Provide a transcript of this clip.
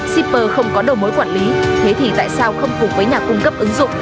shipper không có đầu mối quản lý thế thì tại sao không cùng với nhà cung cấp ứng dụng